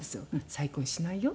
「再婚しないよ」